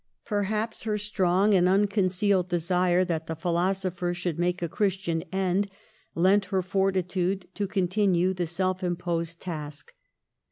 Perhaps her strong and unconcealed desire that the philosopher should make a Christian end, lent her fortitude to continue the self imposed task.